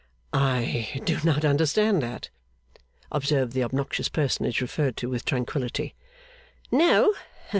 'I do not understand that,' observed the obnoxious personage referred to with tranquillity. 'No?